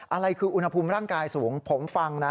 อะไรคืออุณหภูมิร่างกายสูงผมฟังนะ